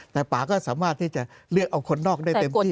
แต่ป่าก็สามารถที่จะเลือกเอาคนนอกได้เต็มที่